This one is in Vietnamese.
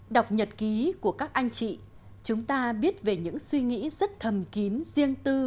đọc nhật ký của các anh chị chúng ta biết về những suy nghĩ rất thầm kín riêng tư